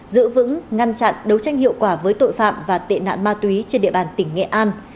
giữ vững ngăn chặn đấu tranh hiệu quả với tội phạm và tệ nạn ma túy trên địa bàn tỉnh nghệ an